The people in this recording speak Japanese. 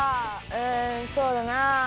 うんそうだなあ。